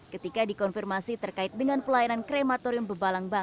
mengatakan bahwa mereka sudah mengambil pengajaran dari krematorium yang sudah diperlukan